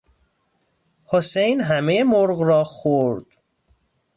حسین همهی مرغ را خورد.